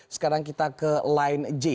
sekarang kita ke line j